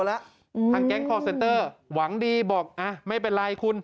แล้วทางแก๊งคอร์เซนเตอร์หวังดีบอกไม่เป็นไรคุณ